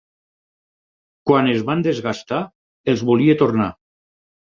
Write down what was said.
Quan es van desgastar, els volia tornar.